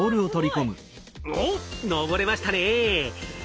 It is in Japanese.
おっ上れましたね。